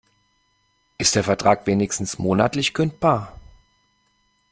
Ist der Vertrag wenigstens monatlich kündbar?